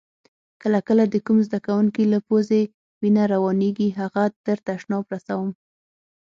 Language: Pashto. کله کله د کوم زده کونکي له پوزې وینه روانیږي هغه تر تشناب رسوم.